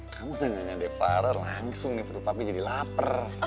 kamu tanya nanya deh farah langsung nih tentu papi jadi lapar